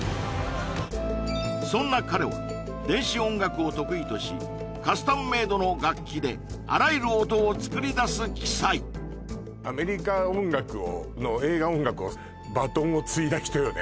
そんな彼は電子音楽を得意としカスタムメイドの楽器であらゆる音を作り出す奇才アメリカ音楽の映画音楽をバトンを継いだ人よね